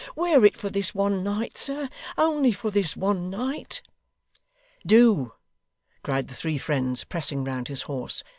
Wear it for this one night, sir; only for this one night.' 'Do!' cried the three friends, pressing round his horse.